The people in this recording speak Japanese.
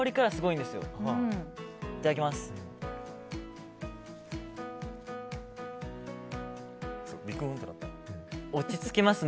いただきます。